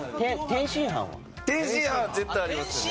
天津飯は絶対ありますよね。